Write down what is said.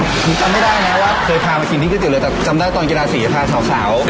ทรงจำไม่ได้นะว่าเคยพามาที่นี่กร้าบเตียบเลยแต่จำได้ตอนกีฬาสีไปพาสาวขาว